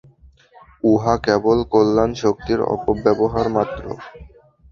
উহা কেবল কল্যাণ শক্তির অপব্যবহার মাত্র।